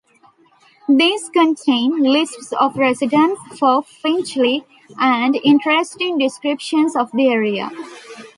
These contain lists of residents for Finchley and interesting descriptions of the area.